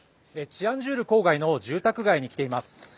チアンジュール郊外の住宅街に来ています。